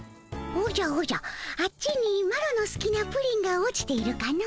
おじゃおじゃあっちにマロのすきなプリンが落ちているかの？